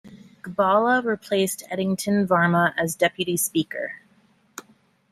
Gbala replaced Eddington Varmah as Deputy Speaker.